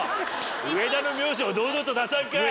上田の名字を堂々と出さんかい！